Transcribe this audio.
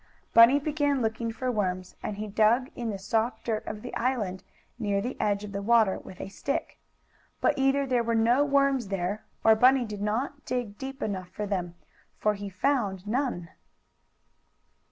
Bunny began looking for worms, and he dug in the soft dirt of the island, near the edge of the water, with a stick. But either there were no worms there, or Bunny did not dig deep enough for them, for he found none.